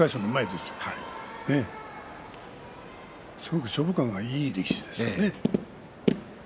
すごく勝負勘がいい力士ですよね。